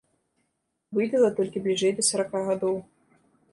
Выбіла толькі бліжэй да сарака гадоў.